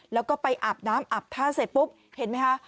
แล้วก็ไปอาบน้ำอาบท่าเสร็จปุ๊บเห็นไหมคะ